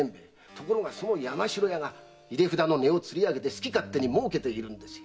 ところがその山城屋が入札の値をつり上げて好き勝手に儲けているんですよ。